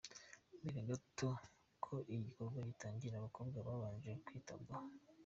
Mbere gato ko igikorwa gitangira abakobwa babanje kwitabwaho.